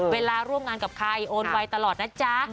เวลาร่วมงานกับใครโอนไวตลอดนะจ๊ะ